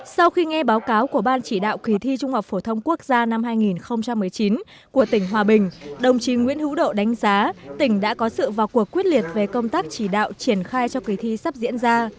sau khi nghe báo cáo của ban chỉ đạo kỳ thi trung học phổ thông quốc gia năm hai nghìn một mươi chín của tỉnh hòa bình đồng chí nguyễn hữu độ đánh giá tỉnh đã có sự vào cuộc quyết liệt về công tác chỉ đạo triển khai cho kỳ thi sắp diễn ra